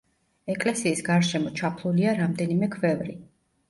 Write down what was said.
ეკლესიის გარშემო ჩაფლულია რამდენიმე ქვევრი.